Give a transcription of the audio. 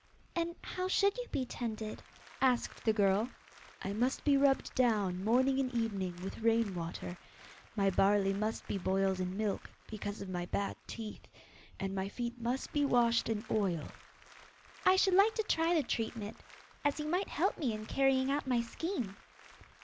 'And how should you be tended?' asked the girl. 'I must be rubbed down morning and evening with rain water, my barley must be boiled in milk, because of my bad teeth, and my feet must be washed in oil.' 'I should like to try the treatment, as you might help me in carrying out my scheme.